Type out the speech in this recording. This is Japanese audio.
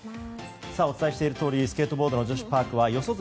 お伝えしているとおりスケートボード女子パークは四十住